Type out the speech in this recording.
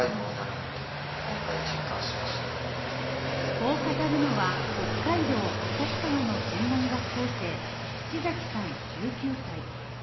こう語るのは、北海道旭川の専門学校生、土崎さん１９歳。